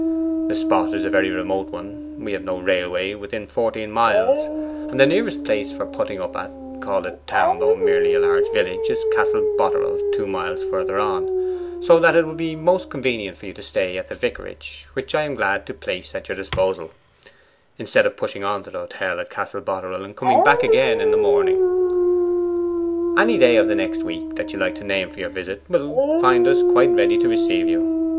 'The spot is a very remote one: we have no railway within fourteen miles; and the nearest place for putting up at called a town, though merely a large village is Castle Boterel, two miles further on; so that it would be most convenient for you to stay at the vicarage which I am glad to place at your disposal instead of pushing on to the hotel at Castle Boterel, and coming back again in the morning. 'Any day of the next week that you like to name for the visit will find us quite ready to receive you.